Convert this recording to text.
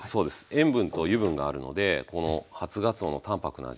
塩分と油分があるのでこの初がつおの淡泊な味